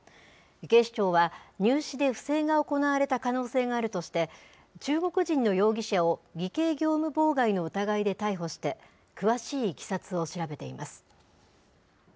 警視庁は、入試で不正が行われた可能性があるとして、中国人の容疑者を偽計業務妨害の疑いで逮捕して、詳しいいきさつを調べています。